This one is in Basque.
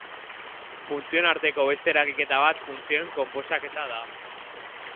Funtzioen arteko beste eragiketa bat funtzioen konposaketa da.